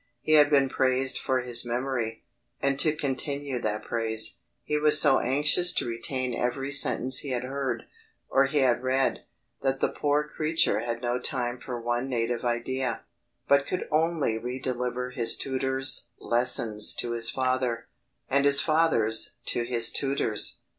He had been praised for his memory; and to continue that praise, he was so anxious to retain every sentence he had heard, or he had read, that the poor creature had no time for one native idea, but could only re deliver his tutors' lessons to his father, and his father's to his tutors.